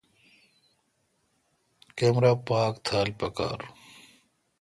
کمرا پاک تھال پکار۔